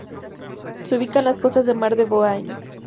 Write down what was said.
Se ubica en las costas del Mar de Bohai.